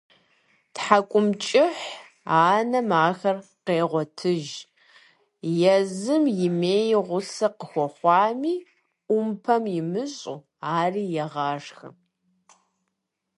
ТхьэкIумэкIыхь анэм ахэр къегъуэтыж, езым имеи гъусэ къахуэхъуами, Iумпэм имыщIу, ари егъашхэ.